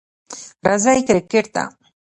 راځئ کریکټ ته!